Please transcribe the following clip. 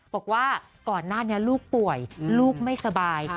บอกว่าก่อนหน้านี้ลูกป่วยลูกไม่สบาย